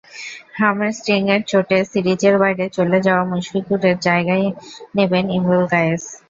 হ্যামস্ট্রিংয়ের চোটে সিরিজের বাইরে চলে যাওয়া মুশফিকুরের জায়গা নেবেন ইমরুল কায়েস।